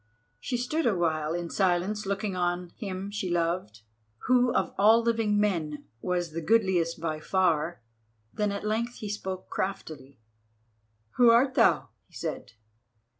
She stood awhile in silence looking on him she loved, who of all living men was the goodliest by far. Then at length he spoke craftily: "Who art thou?" he said.